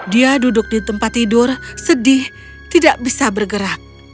dia duduk di tempat tidur sedih tidak bisa bergerak